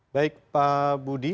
baik pak budi